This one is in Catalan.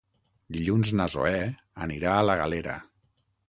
Dilluns na Zoè anirà a la Galera.